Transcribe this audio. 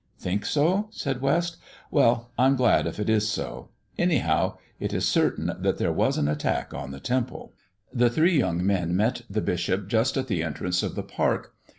"Think so?" said West. "Well, I'm glad if it is so. Anyhow, it is certain that there was an attack on the Temple." The three young men met the bishop just at the entrance of the park.